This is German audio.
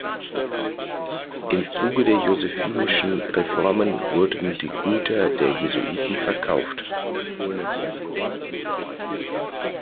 Im Zuge der Josephinischen Reformen wurden die Güter der Jesuiten verkauft.